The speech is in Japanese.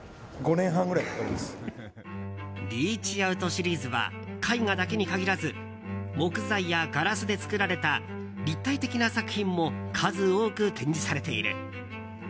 「ＲＥＡＣＨＯＵＴ」シリーズは、絵画だけに限らず木材やガラスで作られた立体的な作品も数多く展示されている。